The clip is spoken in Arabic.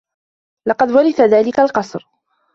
لقد ورث ذلك القصر.